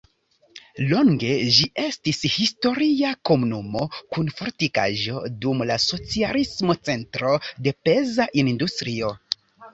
Longe ĝi estis historia komunumo kun fortikaĵo, dum la socialismo centro de peza industrio.